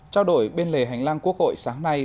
trao đổi bên lề hành lang quốc hội sáng nay